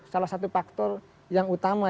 salah satu faktor yang utama